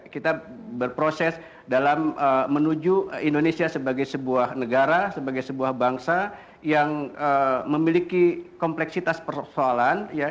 kita berproses dalam menuju indonesia sebagai sebuah negara sebagai sebuah bangsa yang memiliki kompleksitas persoalan